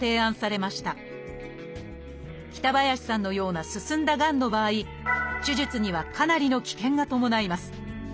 北林さんのような進んだがんの場合手術にはかなりの危険が伴います。